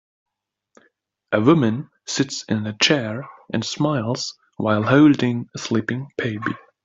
A woman sits in a chair and smiles while holding a sleeping baby.